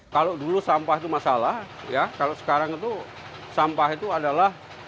kalau dulu sampah itu masalah ya kalau sekarang itu sampah itu adalah